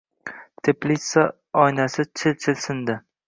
Teplitsa oynasi chil-chil sindi.